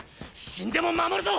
死んでも守るぞ！